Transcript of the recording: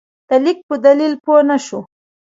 د لیک په دلیل پوه نه شو.